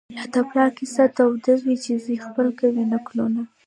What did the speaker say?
لا د پلار کیسه توده وي چي زوی خپل کوي نکلونه